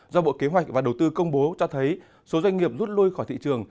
do bộ kế hoạch và đầu tư công bố cho thấy số doanh nghiệp rút lui khỏi thị trường